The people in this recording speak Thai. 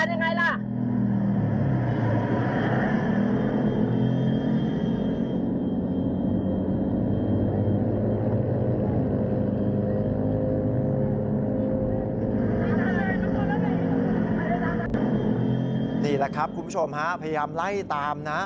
นี่แหละครับคุณผู้ชมฮะพยายามไล่ตามนะ